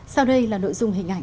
sau đây là nội dung hình ảnh